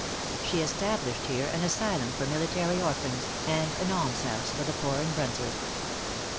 She established here an asylum for military orphans, and an almshouse for the poor in Brunswick.